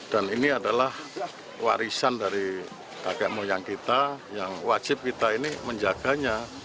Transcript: dan ini adalah warisan dari kakek moyang kita yang wajib kita ini menjaganya